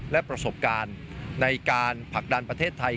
และประสบการณ์ในการผลักดันประเทศไทย